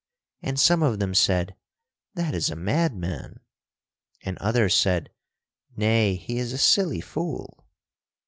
And some of them said, "That is a madman." And others said, "Nay, he is a silly fool."